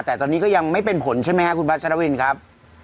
แต่ตอนนี้ก็ยังไม่เป็นผลใช่ไหมครับคุณพัชรวินครับ